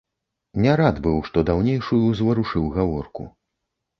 Не рад быў, што даўнейшую ўзварушыў гаворку.